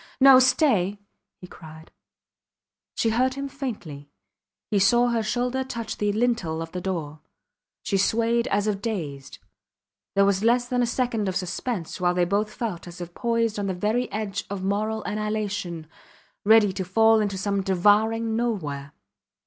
No stay! he cried. She heard him faintly. He saw her shoulder touch the lintel of the door. She swayed as if dazed. There was less than a second of suspense while they both felt as if poised on the very edge of moral annihilation, ready to fall into some devouring nowhere.